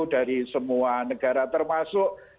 dari semua negara termasuk